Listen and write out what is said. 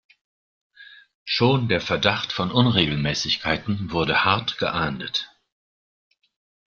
Schon der Verdacht von Unregelmäßigkeiten wurde hart geahndet.